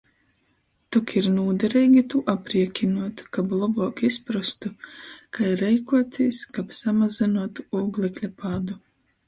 Tok ir nūdereigi tū apriekinuot, kab lobuok izprostu, kai reikuotīs, kab samazynuotu ūglekļa pādu.